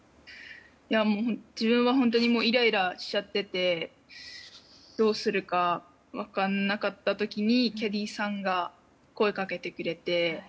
自分は本当にイライラしちゃっててどうするか分かんなかった時にキャディーさんが声をかけてくれて。